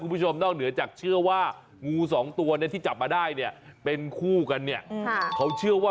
โอ้โหบอกเลยตอนเนี่ยไอ้งูตัวเนี่ยช้ำไปทั้งตัวแล้ว